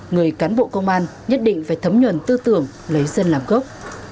người cán bộ công an nhất định phải thấm nhuần tư tưởng lấy dân làm gốc